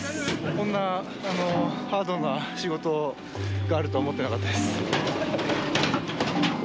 こんなハードな仕事があるとは思ってなかったです。